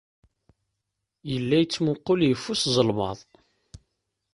Yella yettmuqqul yeffus, zelmeḍ.